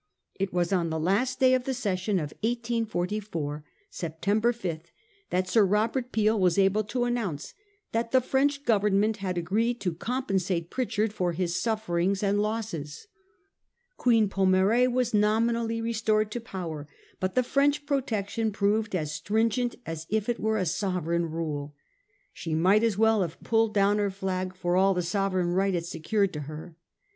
It was on the last day of the session of 1844, September 5, that Sir Robert Peel was able to announce that the French Government had agreed to compensate Prit chard for his sufferings and losses. Queen Pomare was nominally restored to power, but the French protection proved as stringent as if it were a sovereign rule. She might as well have pulled down her flag for all the sovereign right it secured to her.